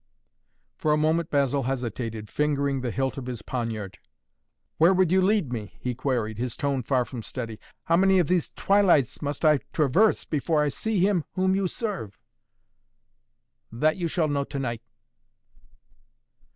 For a moment Basil hesitated, fingering the hilt of his poniard. "Where would you lead me?" he queried, his tone far from steady. "How many of these twilights must I traverse before I see him whom you serve?" "That you shall know to night!"